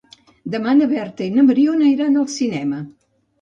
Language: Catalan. Demà na Berta i na Mariona iran al cinema.